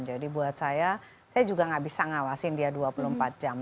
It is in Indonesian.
jadi buat saya saya juga nggak bisa ngawasin dia dua puluh empat jam